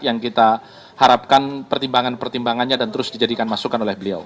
yang kita harapkan pertimbangan pertimbangannya dan terus dijadikan masukan oleh beliau